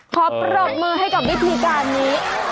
ปรบมือให้กับวิธีการนี้